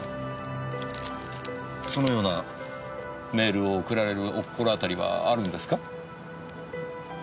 そのようなメールを送られるお心当たりはあるんですか？